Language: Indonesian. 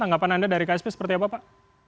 tanggapan anda dari ksp seperti apa pak